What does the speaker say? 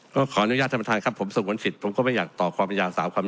ก็ขออนุญาตธรรมทานครับผมสงกลศิษย์ผมก็ไม่อยากต่อความยาวสาวความ